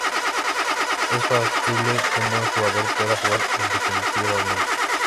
Es factible que un buen jugador pueda jugar indefinidamente.